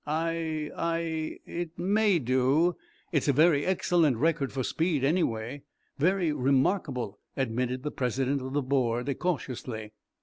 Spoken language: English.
"I I it may do. It's a very excellent record for speed, anyway; very remarkable," admitted the president of the board, cautiously.